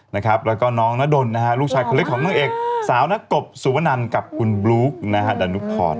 แล้วก็น้องนดนลูกชายคนเล็กของเวลาเอกษาวนกบสุวนันกับคุณบลุ๊คดานุพร